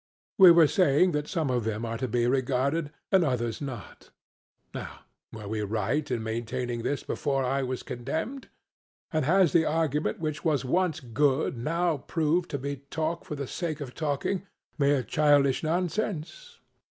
we were saying that some of them are to be regarded, and others not. Now were we right in maintaining this before I was condemned? And has the argument which was once good now proved to be talk for the sake of talking mere childish nonsense?